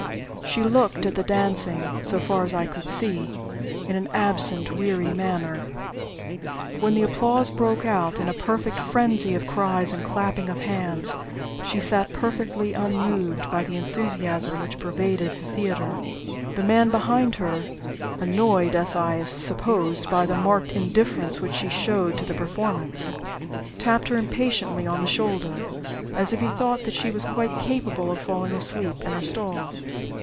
She looked at the dancing (so far as I could see) in an absent, weary manner. When the applause broke out in a perfect frenzy of cries and clapping of hands, she sat perfectly unmoved by the enthusiasm which pervaded the theater. The man behind her (annoyed, as I supposed, by the marked indifference which she showed to the performance) tapped her impatiently on the shoulder, as if he thought that she was quite capable of falling asleep in her stall.